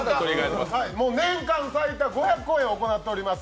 年間最多５００公演を行っております